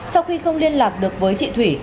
sau khi không liên lạc được với chị thủy